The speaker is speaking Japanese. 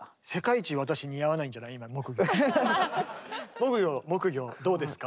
木魚木魚どうですか？